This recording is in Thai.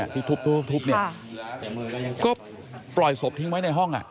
ที่ทุบเนี่ยก็ปล่อยศพทิ้งไว้ในห้อง